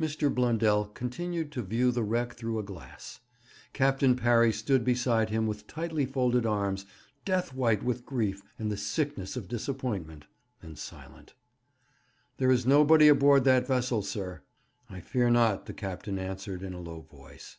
Mr. Blundell continued to view the wreck through a glass. Captain Parry stood beside him with tightly folded arms, death white with grief and the sickness of disappointment, and silent. 'There is nobody aboard that vessel, sir.' 'I fear not,' the captain answered in a low voice.